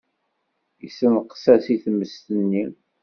Yessenqes-as i tmes-nni.